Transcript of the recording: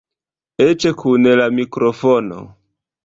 Eĉ kun la mikrofono.